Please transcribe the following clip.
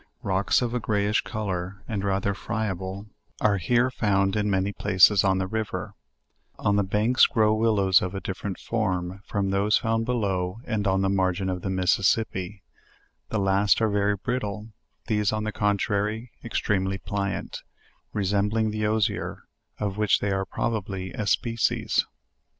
Rocks of a greyish color, and rather friable, are here found in many places on the river* On the banks grow willows of a different form from those found below, and on the margin of the Mississippi; the last are very brit tle; these on the contrary are extremely pliant, resembling the osier, of which they are probably a species.